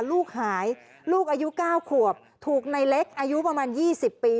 ลูกหายลูกอายุ๙ขวบถูกในเล็กอายุประมาณ๒๐ปี